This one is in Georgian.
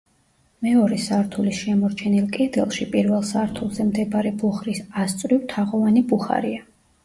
მეორე სართულის შემორჩენილ კედელში, პირველ სართულზე მდებარე ბუხრის ასწვრივ, თაღოვანი ბუხარია.